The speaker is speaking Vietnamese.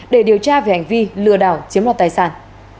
để điều tra về hành vi lừa đảo chiếm đoạt tài sản